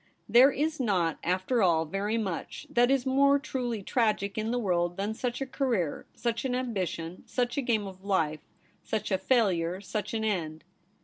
There is not, after all, very much that is more truly tragic in the world than such a career, such an ambition, such a game of life, such a failure, such an end.